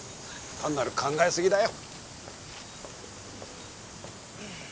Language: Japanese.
単なる考えすぎだよ。